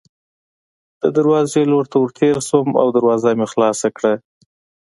د دروازې لور ته ورتېر شوم او دروازه مې خلاصه کړه.